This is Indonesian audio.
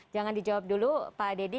jangan dijawab dulu pak deddy